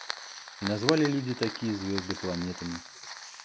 И назвали люди такие звезды планетами.